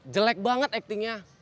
jelek banget actingnya